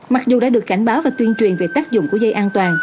mặc dù đã được cảnh báo và tuyên truyền về tác dụng của dây an toàn